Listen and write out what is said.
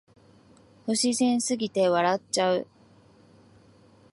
不自然すぎて笑っちゃう